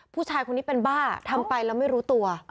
ผู้ชายคนนี้เป็นบ้าทำไปแล้วไม่รู้ตัว